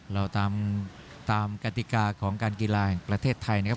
เราตามกติกาของการกีฬาแห่งประเทศไทยนะครับ